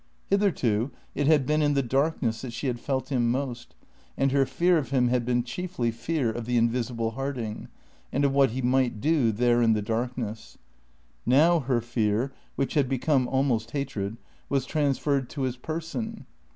Hitherto it had been in the darkness that she had felt him most, and her fear of him had been chiefly fear of the invisible Harding, and of what he might do there in the darkness. Now her fear, which had become almost hatred, was transferred to his person.